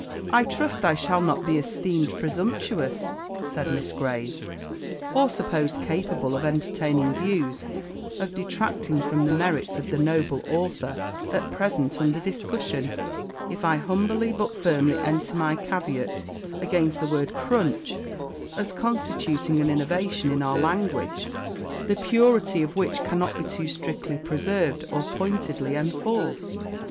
"I trust I shall not be esteemed presumptuous," said Miss Graves, "or supposed capable of entertaining views of detracting from the merits of the Noble Author at present under discussion, if I humbly but firmly enter my caveat against the word 'crunch,' as constituting an innovation in our language, the purity of which cannot be too strictly preserved or pointedly enforced.